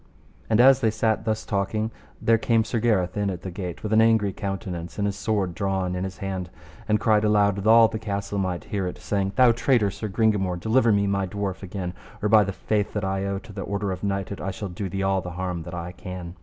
And as they sat thus talking, there came Sir Gareth in at the gate with an angry countenance, and his sword drawn in his hand, and cried aloud that all the castle might hear it, saying: Thou traitor, Sir Gringamore, deliver me my dwarf again, or by the faith that I owe to the order of knighthood, I shall do thee all the harm that I can.